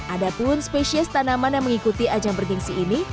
ada pun spesies tanaman yang mengikuti ajang bergensi ini